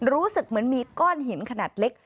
รู้สึกเหมือนมีก้อนหินขนาดเล็ก